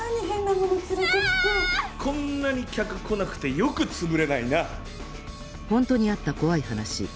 こんなに客来なくてよく潰れないな。